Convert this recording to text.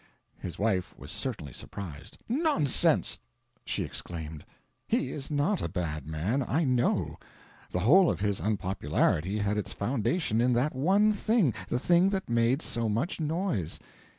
His wife was certainly surprised. "Nonsense!" she exclaimed. "He is not a bad man. I know. The whole of his unpopularity had its foundation in that one thing the thing that made so much noise."